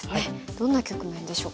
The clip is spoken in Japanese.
どんな局面でしょうか。